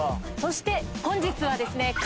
そして本日はですね